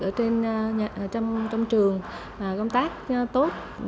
ở trong trường công tác tốt